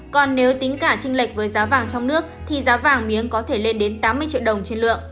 còn nếu tính cả trinh lệch với giá vàng trong nước thì giá vàng miếng có thể lên đến tám mươi triệu đồng trên lượng